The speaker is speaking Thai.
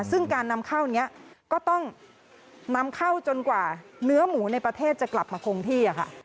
ซึ่งการนำเข้านี้ก็ต้องนำเข้าจนกว่าเนื้อหมูในประเทศจะกลับมาคงที่ค่ะ